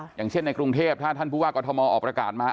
ค่ะอย่างเช่นในกรุงเทพฯถ้าท่านทบุพรากฏมอลอบประกาศมา